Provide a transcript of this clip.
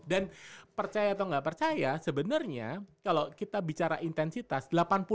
dan percaya atau gak percaya sebenernya kalo kita bicara intensitas